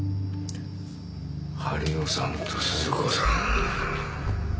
治代さんと鈴子さん。